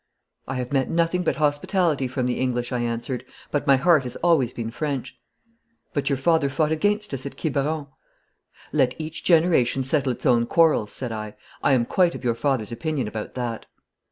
'I have met nothing but hospitality from the English,' I answered; 'but my heart has always been French.' 'But your father fought against us at Quiberon.' 'Let each generation settle its own quarrels,' said I. 'I am quite of your father's opinion about that.'